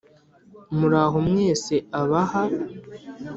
muraho mwese abaha